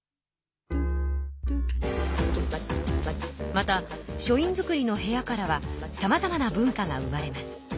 また書院造の部屋からはさまざまな文化が生まれます。